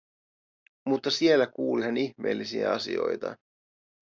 Mutta siellä kuuli hän ihmeellisiä asioita.